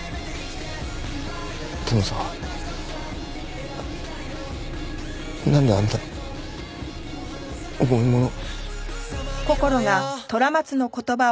でもさなんであんな重いもの。